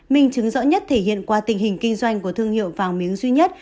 minh chứng rõ nhất thể hiện qua tình hình kinh doanh của thương hiệu vàng miếng duy nhất